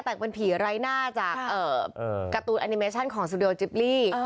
แต่งเป็นผีไร้หน้าจากการ์ตูนแอนิเมชั่นของซูเดลจิบลี่